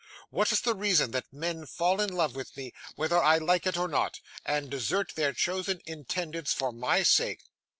What is the reason that men fall in love with me, whether I like it or not, and desert their chosen intendeds for my sake?